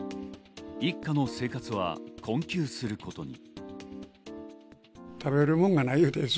一家の生活は困窮することに。